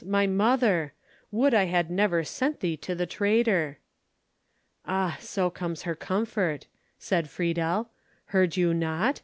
My mother! Would I had never sent thee to the traitor." "Ah! So comes her comfort," said Friedel. "Heard you not?